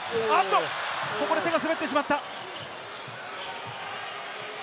ここで手が滑ってしまった。